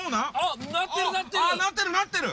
あっなってるなってる！